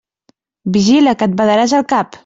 Vigila, que et badaràs el cap!